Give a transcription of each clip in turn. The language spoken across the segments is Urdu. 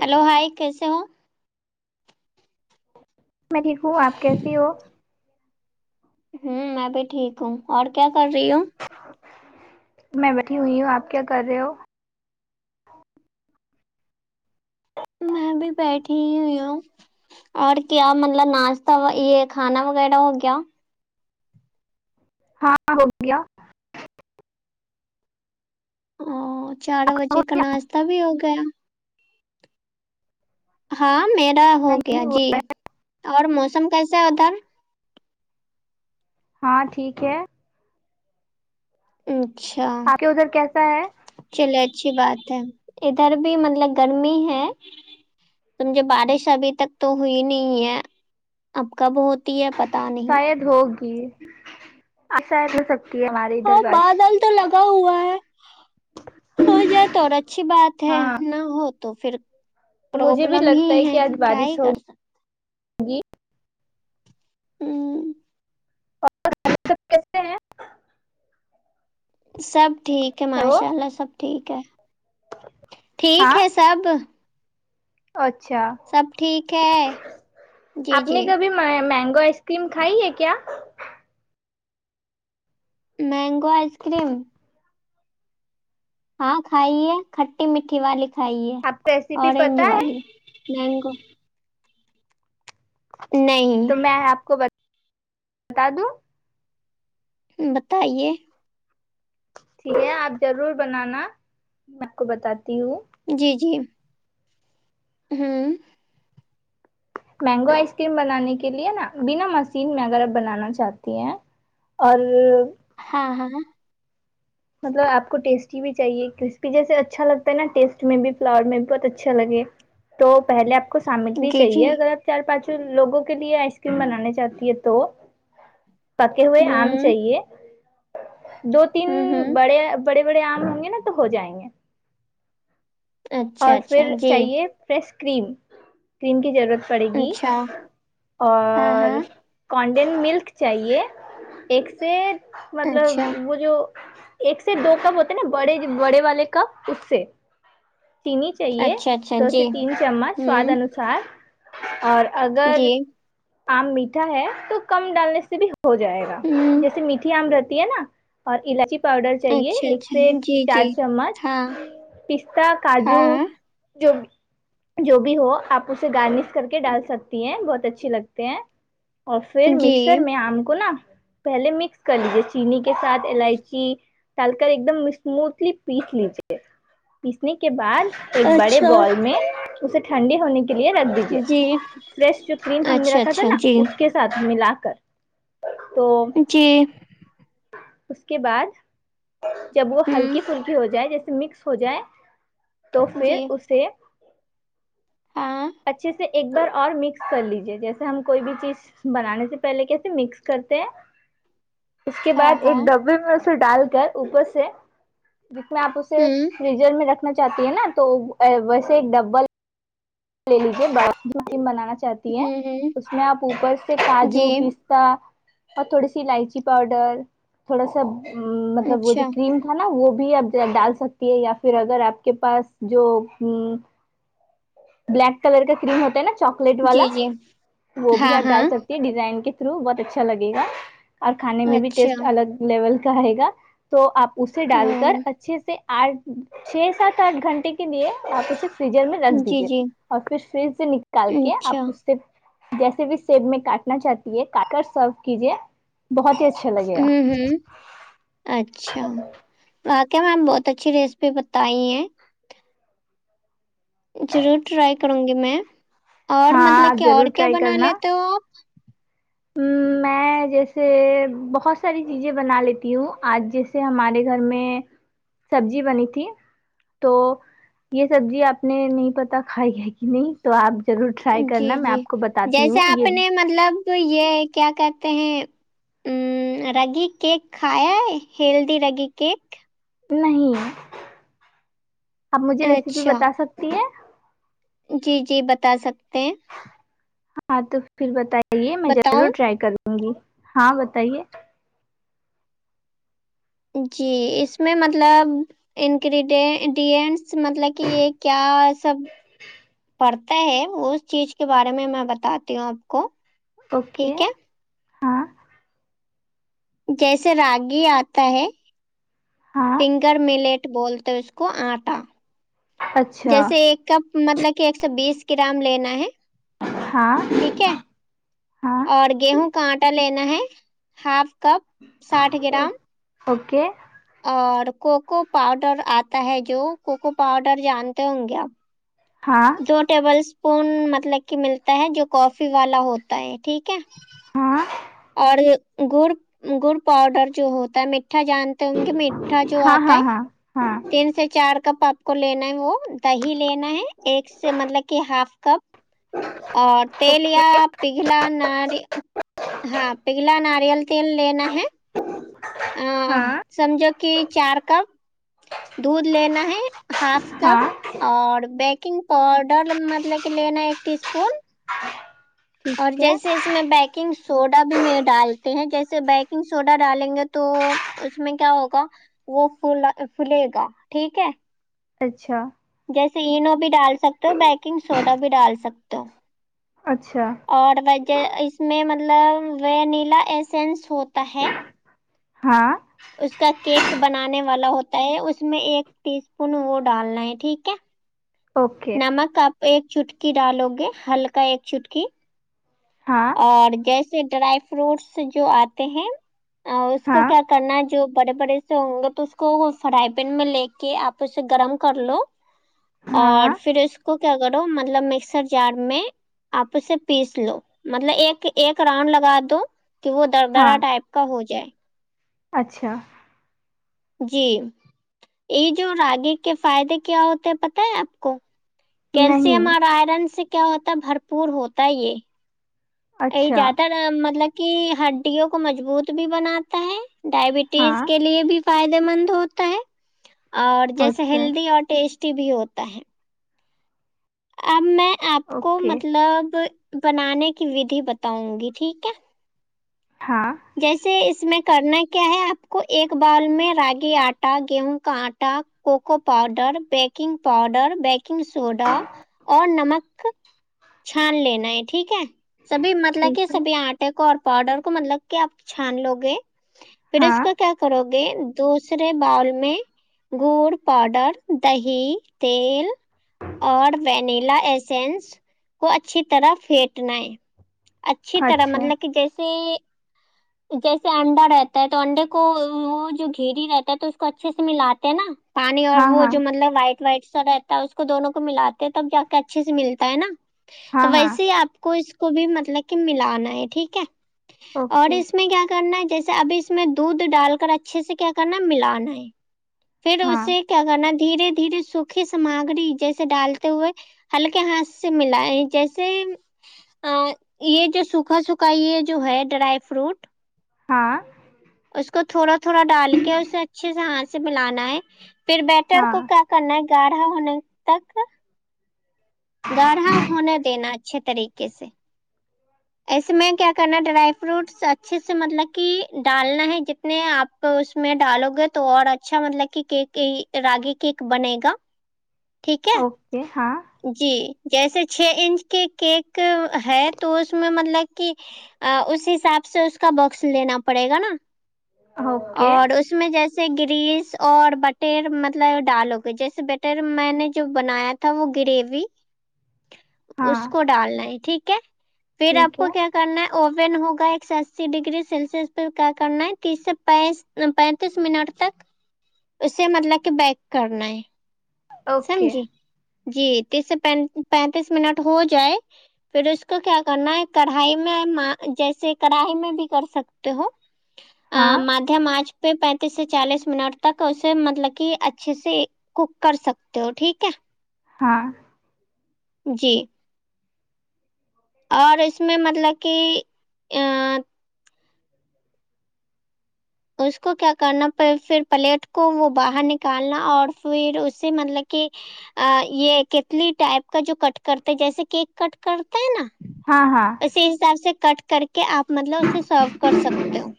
ہیلو ہائی کیسے ہوں میں ٹھیک ہوں آپ کیسی ہو ہوں میں بھی ٹھیک ہوں اور کیا کر رہی ہوں میں بیٹھی ہوئی ہوں آپ کیا کر رہے ہو میں بھی بیٹھی ہوئی ہوں اور کیا مطلب ناشتہ یہ کھانا وغیرہ ہو گیا ہاں ہو گیا ہاں چار آپ ہو بجے کا گیا ناشتاہ بھی ہو گیا ہاں میرا ہو گیا نہیں ہوا جی اور موسم کیسا ہے ادھر ہاں ٹھیک ہے اچھا آپ کے ادھر کیسا ہے چلے اچھی بات ہے ادھر بھی مطلب گرمی ہے کیونکہ بارش ابھی تک تو ہوئی نہیں ہے اب کب ہوتی ہے پتا نہیں شاید ہوگی اپ سہ نہ سکتی ہے وہاں ہاں بادل تو لگا ہوا ہے ہو جائے تو اور اچھی بات ہے ہاں نہ ہو تو پھر مجھے بھی پربلم ہی لگتا ہے کہ آج کیا ہی بارش کر سکتے ہوگی ھمم سب کیسے ہیں سب ٹھیک ہے ہیلو ماشاء اللہ سب ٹھیک ہے ہاں ٹھیک ہے سب اچھا سب ٹھیک ہے جی آپ جی نے کبھی میں مینگو آئس کریم کھائی ہے کیا مینگو آئس کریم ہاں کھائی ہے کھٹی میٹھی والی کھائی ہے آپ کو ریسیپی اورنج پتا ہے والی منگو نہیں تو میں آپ کو بت بتا دوں بتائیے ٹھیک ہے آپ ضرور بنانا میں آپ کو بتاتی ہوں جی جی ھمم مینگو آئس کریم بنانے کے لیے نا بنا مشین میں اگر آپ بنانا چاہتی ہیں اور ہاں ہاں مطلب آپ کو ٹیسٹی بھی چاہیے کرسپی جیسے اچھا لگتا ہے نا ٹیسٹ میں بھی فلاور میں بھی بہت اچھا لگے تو پہلے آپ کو سامگری جی جی چاہیے اگر آپ چار پانچوں لوگوں کے لیے آئس کریم بنانے چاہتی ہے تو پکے ہوئے آم ہوں چاہے دو تین ہوں ہوں بڑے بڑے بڑے آم ہوں گے نا تو ہو جائیں گے اچھا اور اچھا پھر جی چاہیے فریش کریم کریم کی ضرورت پڑے گی اچھا ہاں ہاں اور کوانڈین ملک چاہیے ایک سے مطلب اچھا وہ جو ایک سے دو کپ ہوتے ہیں نا بڑے بڑے والے کپ اس سے چینی چاہیے اچھا اچھا دو سے جی تین چمچ سواد ہوں انوس سار اور اگر جی آم میٹھا ہے تو کم ڈالنے سے بھی ہو جائے گا ہوں جیسے میٹھی آم رہتی ہے نا اور الائچی پاؤڈر چاہیے اچھا ایک اچھا سے جی چار جی چمچ ہاں پستا کاجو ہاں جو بھی جو بھی ہو آپ اسے گارنش کر کے ڈال سکتی ہیں بہت اچھے لگتے ہیں اور پھر جی مکسر میں آم کو نا پہلے مکس کر لیجے چینی کے ساتھ الائچی ڈال کر ایک دم اسموتھلی پیس لیجیے پیسنے کے بعد ایک بڑے اچھا بال میں اسے ٹھنڈے ہونے کے لیے رک دیجے جی فریش جو کریم ہم نے اچھا رکھا تھا اچھا نا جی اس کے ساتھ ملا کر تو چی اس کے بعد جب وہ ہوں ہلکی پلکی ہو جائے جیسے مکس ہو جائے تو پھر جی اسے ہاں اچھے سے ایک بار اور مکس کر لیجے جیسے ہم کوئی بھی چیز بنانے سے پہلے کیسے مکس کرتے ہیں اس کے ہاں بعد ایک ہاں ڈبے میں اسے ڈال کر اوپر سے جس میں آپ اسے ہوں فریزر میں رکھنا چاہتی ہے نا تو ویسے ایک ڈبل لے لیجے بعد میں آئس کریم بنانا چاہتی ہے ہوں ہوں اپر سے کاجو جی پستا اور تھوڑی سی الائچی پاؤڈر تھوڑا سا مطلب وہ جو اچھا کریم ہے نا وہ بھی آپ ڈال سکتی ہے یا پھر اگر آپ کے پاس جو ہم بلیک کلر کا کریم ہوتا ہے نا چاکلیٹ والا جی جی وہ بھی ہاں آپ ہاں ڈال سکتے ڈیزائن کے تھرو بہت اچھا لگےا اور کھانے میں بھی اچھا ٹیسٹ الگ لیول کا ہے گا تو آپ اسے ڈال آم، کر اچھے سے آٹھ چھ سات آٹھ گھنٹے کے لیے آپ اسے فریجر میں رکھ جی دیجیے جی اور پھر فریج سے نکال کے آپ اچھا اس جیسے بھی سیب میں کاٹنا چاہتی ہے کاٹ کر سرو کیجیے بہت ہی اچھا لگے گا ھمم ھمم اچھا واقع میم بہت اچھی ریسیپی بتائی ہیں ضرور ٹرائی کروں گی میں اور ہاں آپ مطلب کہ اور ضرور کیا ٹرائی بنا کرنا لیتے ہو آپ میں جیسے بہت ساری چیزیں بنا لیتی ہوں آج جیسے ہمارے گھر میں سبزی بنی تھی تو یہ سبزی آپ نے نہیں پتا کھائی ہے کہ نہیں تو آپ ضرور ٹرائی کرنا جی میں جی آپ کو بتاتی جیسے ہوں آپ یہ نے مطلب تو یہ کیا کہتے ہیں ام رگی کیک کھایا ہے ہیلدی رگی کیک نہیں آپ مجھے ریسیپی اچھا بتا سکتی ہیں جی جی بتا سکتے ہیں ہاں تو پھر بتائیے میں ضرور بتاؤں ٹرائی کروں گی ہاں بتائیے جی اس میں مطلب انگریڈینڈینٹس مطلب کہ یہ کیا سب پڑھتا ہے اس چیز کے بارے میں میں بتاتی ہوں آپ کو اوکے ٹھیک ہے ہاں جیسے راگی آتا ہے ہاں فنگر ملیٹ بولتے اس کو آٹا اچھا جیسے ایک کپ مطلب کہ ایک سو بیس گرام لینا ہے ہاں ٹھیک ہے ہاں اور گیہوں کا آٹا لینا ہے ہاف کپ ساٹھ گرام اوکے اور کوکو پاؤڈر آتا ہے جو کوکو پاؤڈر جانتے ہوں گے آپ ہاں دو ٹیبل اسپون مطلب کہ ملتا ہے جو کافی والا ہوتا ہے ٹھیک ہے ہاں اور گڑ گڑ پاؤڈر جو ہوتا ہے میٹ ٹھا جانتے ہوں گے میٹھا جو ہاں آتا ہے ہاں ہاں تین سے چار کپ آپ کو لینا ہے وہ دہی لینا ہے ایک سے مطلب کہ ہاف کپ اور تیل ہاں یا پگھلا ناری ہاں پیگلا ناریل تیل لینا ہے آ, ہاں سمجھو کی چار کپ دودھ لینا ہے ہاف ہاں کپ اور بیکنگ پاؤڈر مطلب کہ لینا ہے ایک ٹی اسپون اور ٹھیک ہے جیسے اس میں بیکنگ سوڈا بھی میں ڈالتے ہیں جیسے بیکنگ سوڈا ڈالیں گے تو اس میں کیا ہوگا وہ پھولا پھلے گا ٹھیک ہے اچھا جیسے اینو بھی ڈال سکتے ہو بیکنگ سوڈا بھی ڈال سکتے ہو اچھا اور ویسے اس میں مطلب وینیلا ایسینس ہوتا ہے ہاں اس کا کیک بنانے والا ہوتا ہے اس میں ایک ٹی اسپون وہ ڈالنا ہے ٹھیک ہے اوکے نمک آپ ایک چٹکی ڈالو گے ہلکا ایک چٹکی ہاں اور جیسے ڈرائی فروٹس جو آتے ہیں آ اس کو ہاں کیا کرنا ہے جو بڑے بڑے ہو گے تو اس کو فرائی پین میں لے کے آپ اسے گرم کر لو اور ہاں پھر اس کو کیا کرو مطلب مکسر جار میں آپ اسے پیس لو مطلب ایک ایک راؤنڈ لگا دو کہ وہ در ہاں درا ٹائپ کا ہو جائے اچھا جی یے جو راگی کے فائدے کیا ہوتے ہیں پتہ ہے آپ کو کیلشیم نہیں اور آئرن سے کیا ہوتا ہے بھر پور ہوتا ہے یے یے اچھا زیادہ تر مطلب کی ہڈیوں کو مضبوط بھی بناتا ہے ڈائبٹیز ہاں کے لیے بھی فائدے مند ہوتا ہے اور جیسے اچھا ہیلدی اور ٹیسٹی بھی ہوتا ہے اب میں آپ کو اوکے مطلب بنانے کی ودھی بتاؤں گی ٹھیک ہے ہاں جیسے اس میں کرنا کیا ہے آپ کو ایک باول میں راگی آٹا گیہوں کا آٹا cocoa powder baking powder baking soda اور نمک چھان لینا ہے ٹھیک ہے سبھی مطلب کہ ٹھیک ہے سبھی آٹے کو اور پاؤڈر کو مطلب کہ آپ چھان لو گے پھر اس ہاں کا کیا کرو گے دوسرے باول میں گڈ پاؤڈر دہی تیل اور وینیلا ایسینس کو اچھی طرح پھیٹنا ہے اچھی طرح اچھا مطلب کی جیسے جیسے انڈا رہتا ہے تو انڈے کو وہ جو گھیری رہتا ہے تو اس کو اچھے سے ملاتے ہیں نا پانی اور ہاں وہ ہاں جو مطلب وائٹ وائٹ سا رہتا ہے اس کو دونوں کو ملاتے ہیں تب جا کے اچھے سے ملتا ہے نا تو ہاں ہاں ویسے ہی آپ کو اس کو بھی مطلب کہ ملانا ہے ٹھیک ہے اور اوکے اس میں کیا کرنا ہے جیسے ابھی اس میں دودھ ڈال کر اچھے سے کیا کرنا ہے ملانا ہے پھر ہاں اسے کیا کرنا دھیرے دھیرے سوکھی سامگری جیسے ڈالتے ہوئے ہلکے ہاتھ سے ملائے جیسے اا یہ جو سوکھا سوکھا یہ جو ہے ڈرائی فروٹ ہاں اس کو تھوڑا تھوڑا ڈال کے اسے اچھے سے ہاتھ سے ملانا ہے پھر بیٹر ہاں کو کرنا ہے گاڑھا ہونے تک گاڑھا ہونے دینا اچھے طریقے سے ایسے میں کیا کرنا ڈرائی فروٹس اچھے سے مطلب کہ ڈالنا ہے جتنے آپ اس میں ڈالو گے تو اور اچھا مطلب کہ کیک راگی کیک بنے گا ٹھیک ہے اوکے ہاں جی جیسے چھ انچ کے کیک ہے تو اس میں مطلب کہ اس حساب سے اس کا باکس لینا پڑے گا نا اوکے اور اس میں جیسے گریس اور بٹیر مطلب ڈالو جیسے بیٹر میں نے جو بنایا تھا وہ گریوی ہاں اس کو ڈالنا ہے ٹھیک ہے پھر آپ ٹھیک کو ہے کیا کرنا ہے اوون ہوگا ایک سو اسی ڈگری سیلسیس پے کیا کرنا ہے تیس سے پینس پینتیس منٹ تک اسے مطلب کہ بیک کرنا ہے اوکے سمجی جی تیس سے پینتیس منٹ ہو جائے پھر اس کو کیا کرنا ہے کڑھائی میں جیسے کڑھائی میں بھی کر سکتے ہو آ ہاں م آچ پہ پینتیس سے چالیس منٹ تک اسے مطلب کہ اچھے سے کوک کر سکتے تو ٹھیک ہے ہاں جی اور اس میں مطلب کہ ا اس کو کیا کرنا پھر پلیٹ کو وہ باہر نکالنا اور پھر اس سے مطلب کہ یہ کتنی ٹائپ کا جو کٹ کرتے جیسے کیک کٹ کرتا ہے نا ہاں ہاں اسی حساب سے کٹ کر کے آپ مطلب اسے سرو کر سکتے ہو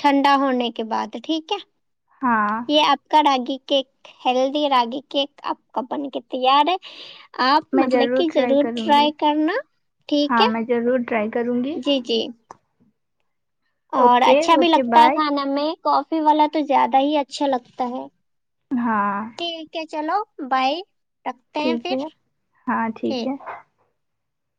ٹھنڈا ہونے کے بعد ٹھیک ہے ہاں یہ آپ کا ragi cake healthy ragi cake آپ کا بن کے تیار ہے آپ میں مطلب کہ ٹرائی ضرور کروں گی ٹرائی کرنا ٹھیک ہاں ہے میں ضرور ٹرائی کروں گی جی جی اور اوکے اچھا بھی اوکے لگتا ہے بائے کھانے میں کافی والا تو زیادہ ہی اچھا لگتا ہے ہاں ٹھیک ہے چلو بائی رکھتے ہیں ٹھیک پھر ہے ہاں ٹھیک ہے